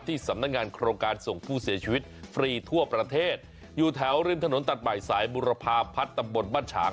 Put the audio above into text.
สำนักงานโครงการส่งผู้เสียชีวิตฟรีทั่วประเทศอยู่แถวริมถนนตัดใหม่สายบุรพาพัฒน์ตำบลบ้านฉาง